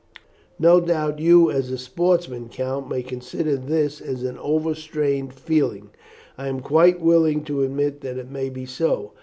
No doubt you, as a sportsman, Count, may consider this as overstrained feeling. I am quite willing to admit that it may be so.